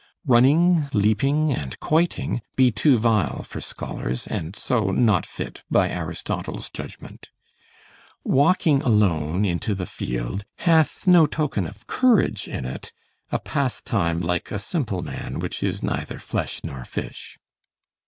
Running, leaping, and quoiting be too vile for scholars, and so not fit by Aristotle's judgment; walking alone into the field hath no token of courage in it, a pastime like a simple man which is neither flesh nor fish.